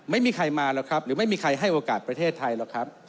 ไม่มีใครมาหรอกครับหรือไม่มีใครให้โอกาสประเทศไทยหรอกครับ